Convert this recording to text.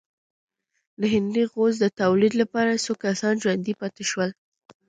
د هندي غوز د تولید لپاره څو کسان ژوندي پاتې شول.